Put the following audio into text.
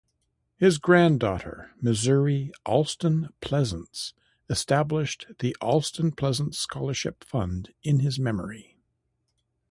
His granddaughter, Missouri Alston Pleasants, established the Alston-Pleasants scholarship fund in his memory.